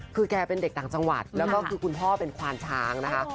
คือแกเป็นเด็กต่างจังหวัดแล้วก็คือคุณพ่อเป็นควานช้างนะคะ